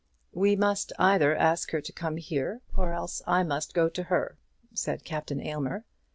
"We must either ask her to come here, or else I must go to her," said Captain Aylmer.